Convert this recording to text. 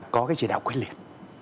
có cái chỉ đạo quyết liệt